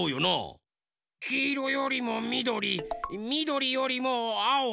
きいろよりもみどりみどりよりもあお。